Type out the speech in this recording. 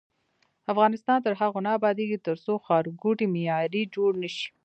افغانستان تر هغو نه ابادیږي، ترڅو ښارګوټي معیاري جوړ نشي.